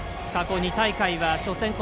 過去２大会は初戦